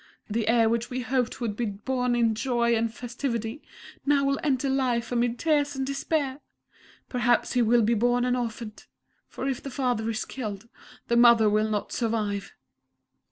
The heir which we hoped would be born in joy and festivity, now will enter life amid tears and despair! Perhaps he will be born an orphan for if the father is killed, the mother will not survive!"